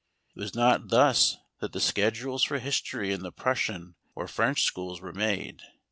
It was not thus that the schedules for history in the Prussian or French schools were made.